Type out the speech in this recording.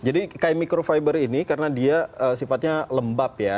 jadi kayak microfiber ini karena dia sifatnya lembab ya